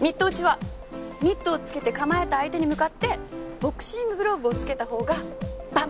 ミット打ちはミットを着けて構えた相手に向かってボクシンググローブを着けたほうがバンバン打つ練習。